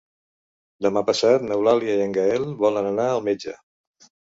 Demà passat n'Eulàlia i en Gaël volen anar al metge.